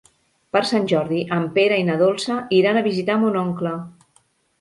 Per Sant Jordi en Pere i na Dolça iran a visitar mon oncle.